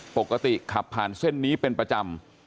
ปกติขับผ่านเส้นนี้เป็นประจำ